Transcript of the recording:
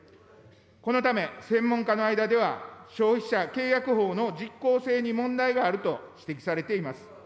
このため、専門家の間では、消費者契約法の実効性に問題があると指摘されています。